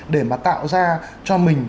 để mà tạo ra cho mình